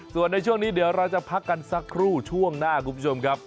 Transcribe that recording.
ส่วนในช่วงนี้เดี๋ยวเราจะพักกันสักครู่ช่วงหน้าคุณผู้ชมครับ